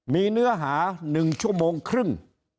มีเนื้อหา๑ชั่วโมงครึ่ง